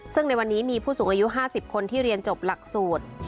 ซึ่งในวันนี้มีผู้สูงอายุ๕๐คนที่เรียนจบหลักสูตร